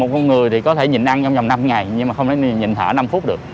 một con người có thể nhịn ăn trong vòng năm ngày nhưng mà không thể nhịn thở năm phút được